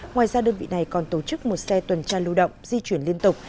ngoài ra đơn vị này còn tổ chức một xe tuần tra lưu động di chuyển liên tục